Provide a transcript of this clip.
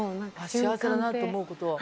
幸せな瞬間だなと思うこと？